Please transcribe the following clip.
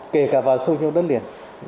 kể cả vào sôi nhau đất liền